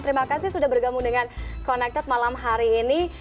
terima kasih sudah bergabung dengan connected malam hari ini